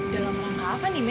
dalam langkah apa nih